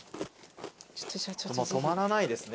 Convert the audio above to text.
止まらないですね。